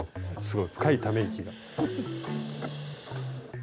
すごい深いため息が。